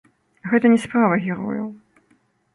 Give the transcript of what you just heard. Гэта не справа герояў.